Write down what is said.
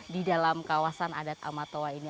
di dalam kawasan adat amatoa ini